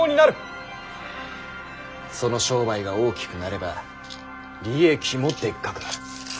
その商売が大きくなれば利益もでっかくなる。